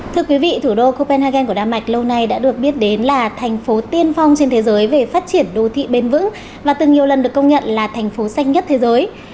thưa quý vị thủ đô copenhagen của đa mạch lâu nay đã được biết đến là thành phố tiên phong trên thế giới về phát triển đô thị bền vững và từng nhiều lần được công nhận là thành phố xanh nhất thế giới